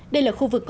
đây là khu vực có